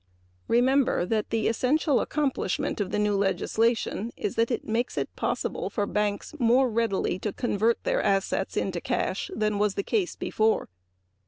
Remember that the essential accomplishment of the new legislation is that it makes it possible for banks more readily to convert their assets into cash than was the case before.